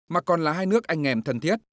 mà còn là hai nước anh nghèm thân thiết